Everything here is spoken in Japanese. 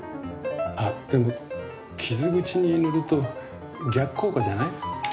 でも傷口に塗ると逆効果じゃない？